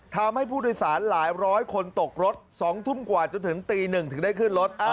ทำให้ผู้โดยสารหลายร้อยคนตกรถ๒ทุ่มกว่าจนถึงตี๑ถึงได้ขึ้นรถ